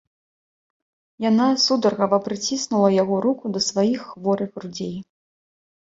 Яна сударгава прыціснула яго руку да сваіх хворых грудзей.